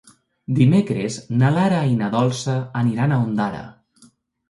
Dimecres na Lara i na Dolça aniran a Ondara.